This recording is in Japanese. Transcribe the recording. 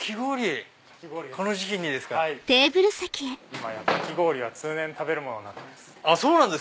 今やかき氷は通年食べるものになってます。